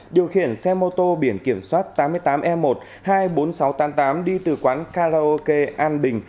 điều khiển xe mô tô biển kiểm soát tám mươi tám e một hai mươi bốn nghìn sáu trăm tám mươi tám đi từ quán karaoke an bình